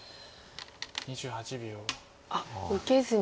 あっ受けずに。